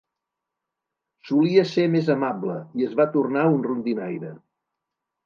Solia ser més amable i es va tornar un rondinaire.